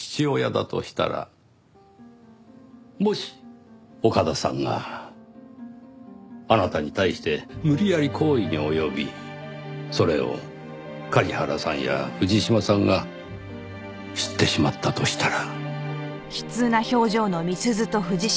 もし岡田さんがあなたに対して無理やり行為に及びそれを梶原さんや藤島さんが知ってしまったとしたら。